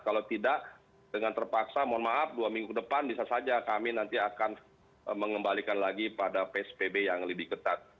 kalau tidak dengan terpaksa mohon maaf dua minggu depan bisa saja kami nanti akan mengembalikan lagi pada psbb yang lebih ketat